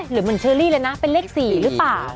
หรือเหมือนเชอรี่เลยนะเป็นเลข๔หรือเปล่า